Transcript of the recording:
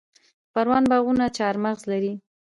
د پروان باغونه چهارمغز لري.